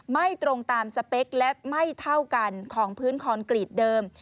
ไม่ตรงตามสเปคและไม่เท่ากันของพื้นคอนกรีตเดิม